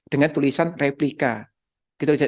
dengan tulisan replika